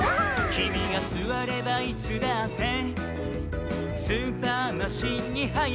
「きみがすわればいつだってスーパー・マシンにはやがわり」